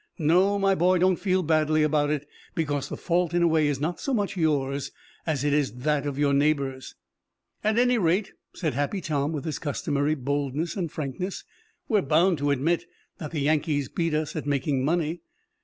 No, my boy, don't feel badly about it, because the fault, in a way, is not so much yours as it is that of your neighbors." "At any rate," said Happy Tom, with his customary boldness and frankness, "we're bound to admit that the Yankees beat us at making money."